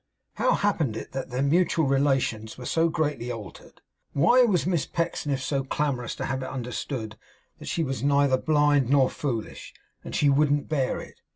How happened it that their mutual relations were so greatly altered? Why was Miss Pecksniff so clamorous to have it understood that she was neither blind nor foolish, and she wouldn't bear it?